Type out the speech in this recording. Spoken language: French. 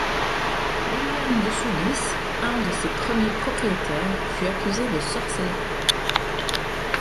William de Soulis, un de ses premiers propriétaires fut accusé de sorcellerie.